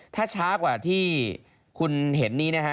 ถ้าช้ากว่าที่คุณเห็นนี้นะฮะ